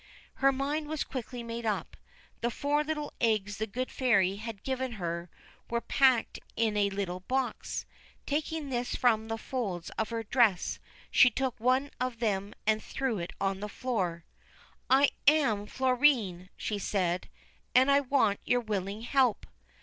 Her mind was quickly made up. The four little eggs the Good Fairy had given her were packed in a little box. Taking this from the folds of her dress she took one of them and threw it on the floor. ' I am Florine I ' she said. ' And I want your willing help.'